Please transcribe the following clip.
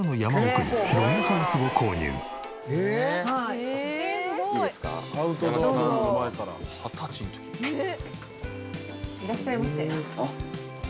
いらっしゃいませ。